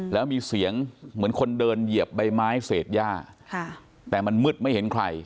แล้วมีเสียงเหมือนคนเดินเหยียบใบไม้เศษย่าแต่มันมืดไม่เห็นใคร